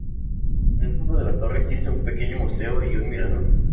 Dentro de la torre existe un pequeño museo y un mirador.